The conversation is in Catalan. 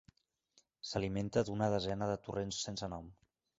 S'alimenta d'una desena de torrents sense nom.